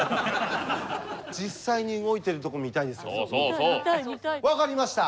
実際に動いてるとこ見たいですよね？